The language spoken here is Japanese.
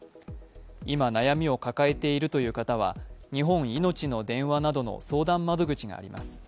今、悩みを抱えているという方は日本いのちの電話などの相談窓口があります。